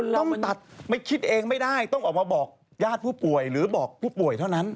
ต้องตัดไม่คิดเองไม่ได้ต้องออกมาบอกญาติผู้ป่วยหรือบอกผู้ป่วยเท่านั้น